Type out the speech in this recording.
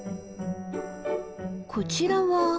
こちらは。